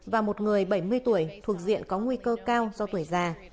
và một người bảy mươi tuổi thuộc diện có nguy cơ cao do tuổi già